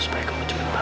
supaya kamu jemput lama